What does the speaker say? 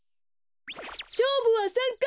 しょうぶは３かい。